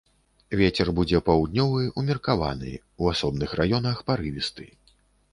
Вецер будзе паўднёвы ўмеркаваны, у асобных раёнах парывісты.